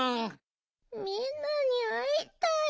みんなにあいたい。